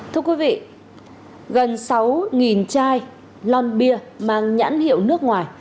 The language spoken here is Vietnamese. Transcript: thưa quý vị gần sáu chai llon bia mang nhãn hiệu nước ngoài